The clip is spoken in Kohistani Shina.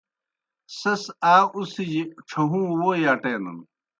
سیْس آ اُڅِھجیْ ڇھہُوں ووئی اٹینَن۔